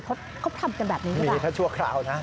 เขาทำกันแบบนี้หรือเปล่า